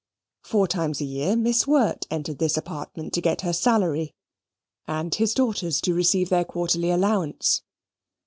Four times a year Miss Wirt entered this apartment to get her salary; and his daughters to receive their quarterly allowance.